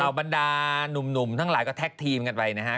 บรรดานุ่มทั้งหลายก็แท็กทีมกันไปนะฮะ